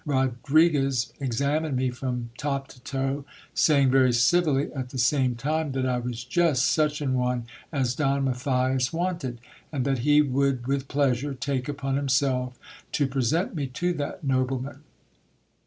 Rodriguez examined me from top to toe ; saying very civilly at the same time that I was just such an one as Don Matthias wanted, and that he would with pleasure take upon himself to present me to thst nobleman.